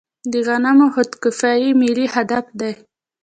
د غنمو خودکفايي ملي هدف دی.